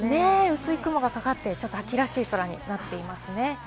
薄い雲がかかって秋らしい空になっていますね。